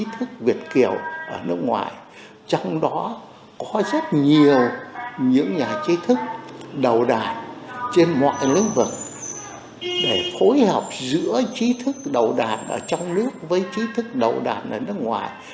trên mọi lĩnh vực để phối hợp giữa trí thức đầu đạn ở trong nước với trí thức đầu đạn ở nước ngoài